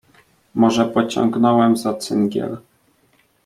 "Może pociągnąłem za cyngiel."